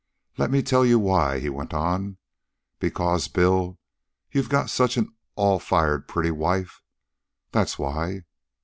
"Let me tell you why," he went on. "Because, Bill, you got such an all fired pretty wife, that's why.